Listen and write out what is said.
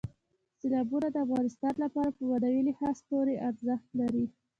سیلابونه د افغانانو لپاره په معنوي لحاظ پوره ارزښت لري.